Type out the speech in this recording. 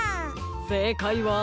せいかいは。